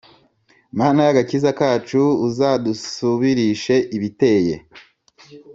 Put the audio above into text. Mana y agakiza kacu Uzadusubirishe ibiteye